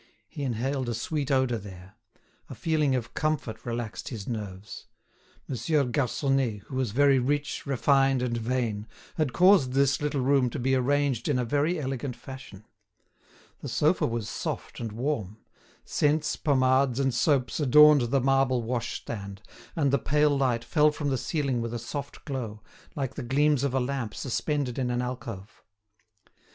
He inhaled a sweet odour there; a feeling of comfort relaxed his nerves. Monsieur Garconnet, who was very rich, refined, and vain, had caused this little room to be arranged in a very elegant fashion; the sofa was soft and warm; scents, pomades, and soaps adorned the marble washstand, and the pale light fell from the ceiling with a soft glow, like the gleams of a lamp suspended in an alcove.